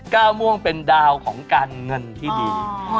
ก้าวม่วงเป็นดาวของการเงินที่ดี